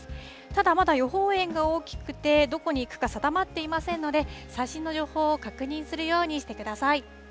ただまだ予報円が大きくて、どこに行くか定まっていませんので、最新の情報を確認するようにしてください。